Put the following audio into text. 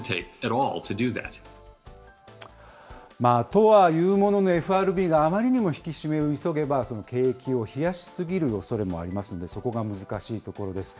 とはいうものの、ＦＲＢがあまりにも引き締めを急げば、景気を冷やし過ぎるおそれもありますので、そこが難しいところです。